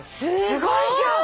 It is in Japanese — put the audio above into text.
すごい！